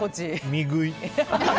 見食い。